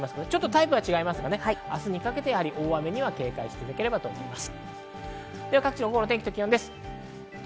タイプは違いますが明日にかけて大雨に警戒していただければと思います。